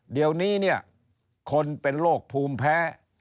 เดี๋ยวนี้เนี่ยคนเป็นโรคภูมิแพ้